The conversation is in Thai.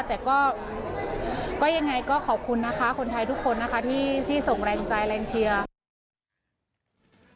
แต่ก็ยังไงก็ขอบคุณนะคะคนไทยทุกคนนะคะที่ส่งแรงใจแรงเชียร์